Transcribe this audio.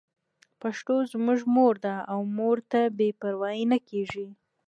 پښتو زموږ مور ده او مور ته بې پروايي نه کېږي.